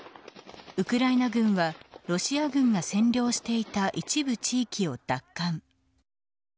ウクライナ軍はロシア軍が占領していた一部地域を奪還。